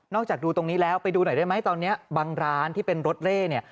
จากดูตรงนี้แล้วไปดูหน่อยได้ไหมตอนนี้บางร้านที่เป็นรถเร่เนี่ย